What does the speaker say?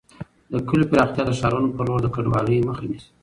د کليو پراختیا د ښارونو پر لور د کډوالۍ مخه نیسي.